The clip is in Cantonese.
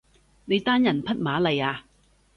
你單人匹馬嚟呀？